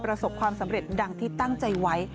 ประสบความสำเร็จดังที่ตั้งใจไว้